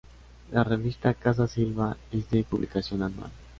La revista Casa Silva es de publicación anual.